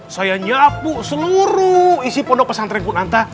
saya nyapu seluruh isi pondok pesantrenku nanta